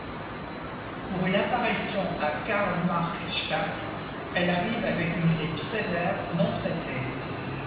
Pour une apparition à Karl-Marx-Stadt, elle arrive avec une grippe sévère non traitée.